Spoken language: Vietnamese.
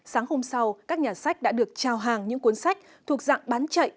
sáng hôm sau các nhà sách đã được trao hàng những cuốn sách thuộc dạng bán chạy